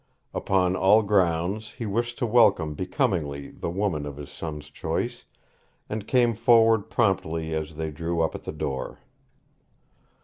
Upon all grounds, he wished to welcome becomingly the woman of his son's choice, and came forward promptly as they drew up at the door.